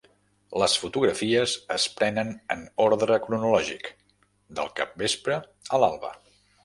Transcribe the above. Les fotografies es prenen en ordre cronològic, del capvespre a l"alba.